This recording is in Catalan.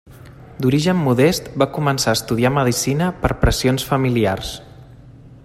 D'origen modest, va començar a estudiar medicina per pressions familiars.